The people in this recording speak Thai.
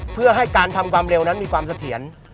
เพื่อให้การทำความเร็วนั้นมีความเสถียร